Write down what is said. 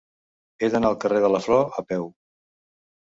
He d'anar al carrer de la Flor a peu.